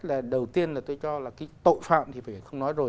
là đầu tiên là tôi cho là cái tội phạm thì phải không nói rồi